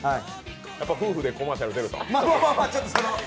夫婦でコマーシャル出ると。